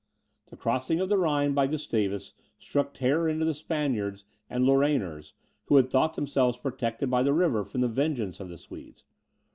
The crossing of the Rhine by Gustavus struck terror into the Spaniards and Lorrainers, who had thought themselves protected by the river from the vengeance of the Swedes.